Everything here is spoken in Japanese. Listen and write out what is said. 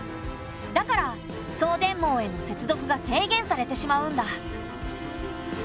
だから送電網への接続が制限されてしまうんだ。